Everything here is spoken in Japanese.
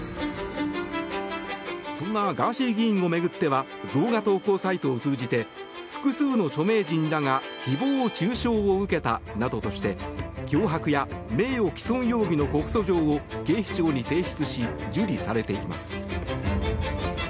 そんなガーシー議員を巡っては動画投稿サイトを通じて複数の著名人らが誹謗中傷を受けたなどとして脅迫や名誉棄損容疑の告訴状を警視庁に提出し受理されています。